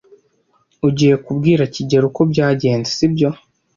Ugiye kubwira kigeli uko byagenze, sibyo?